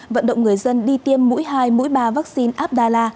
vận động người dân đi tiêm mũi hai mũi ba vaccine abdalla